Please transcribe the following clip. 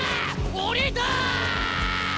俺だ！